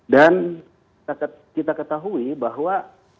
dan kita ketahui bahwa